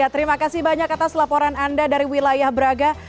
terima kasih banyak atas laporan anda dari wilayah braga